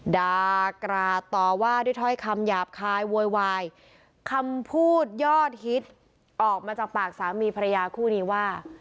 ดากราดต่อว่าด้วยถ้อยคำหยาบคายโวยวายคำพูดยอดฮิตออกมาจากปากสามีภรรยาคู่นี้ว่า